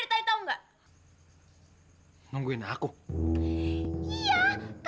iiiih kamu jangan nutupin perasaan kamu